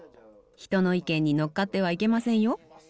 人の意見に乗っかってはいけませんよ。